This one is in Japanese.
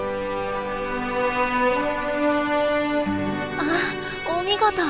あっお見事！